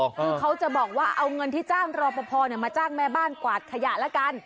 คือเขาจะบอกว่าเอาเงินที่จ้างรอปภมาจ้างแม่บ้านกวาดขยะละกัน